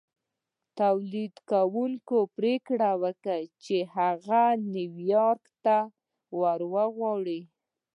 توليدوونکي پرېکړه وکړه چې هغه نيويارک ته ور وغواړي.